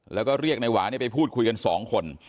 แล้วก็เรียกนายหวานไปพูดคุยกัน๒คน